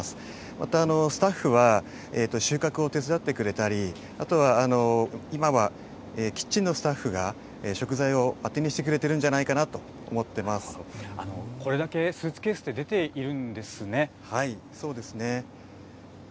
また、スタッフは収穫を手伝ってくれたり、あとは今は、キッチンのスタッフが食材をあてにしてくれてるんじゃないかなとこれだけスーツケースって出そうですね。